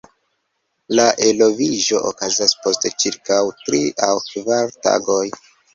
La eloviĝo okazas post ĉirkaŭ tri aŭ kvar tagoj.